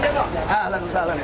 jalan jalan jalan